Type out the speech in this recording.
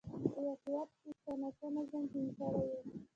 په هېواد کې یې څه ناڅه نظم ټینګ کړی و